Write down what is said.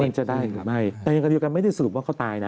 มันจะได้หรือไม่แต่ยังไงกันไม่ได้สรุปว่าเขาตายนะ